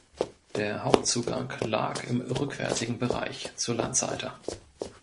Der Hauptzugang lag im rückwärtigen Bereich zur Landseite.